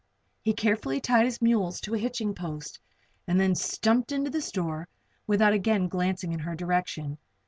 He carefully tied his mules to a hitching post and then stumped into the store without again glancing in her direction.